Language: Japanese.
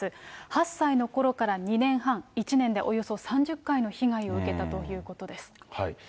８歳のころから２年半、１年でおよそ３０回の被害を受けたということです。